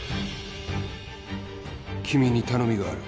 君に頼みがある。